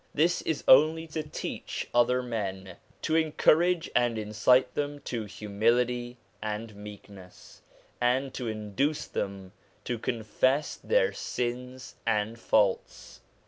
This is only to teach other men, to encourage and incite them to humility and meekness, and to induce them to confess their sins and faults.